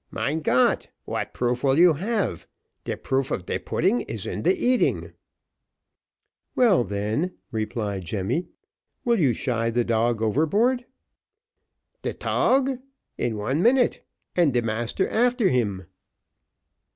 "Mein Gott! what proof will you have? De proof of de pudding is in de eating." "Well, then," replied Jemmy, "will you shy the dog overboard?" "Te tog? in one minute and de master after him."